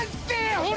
ほら！